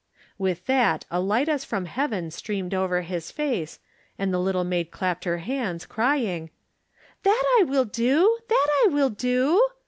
With that a light as from heaven streamed over his face, and the little maid clapped her hands, crying: "That I will do! That I wiU do!"